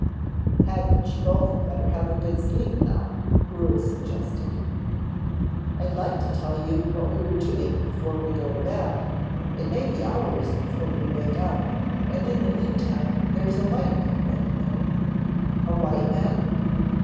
"Hadn't you both better have a good sleep now," Ruhel suggested. "I'd like to tell you what we were doing before we go to bed. It may be hours before we wake up and in the meantime there's a white man back there " "A white man?"